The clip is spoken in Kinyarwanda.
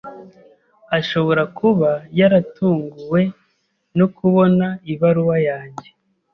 Ashobora kuba yaratunguwe no kubona ibaruwa yanjye.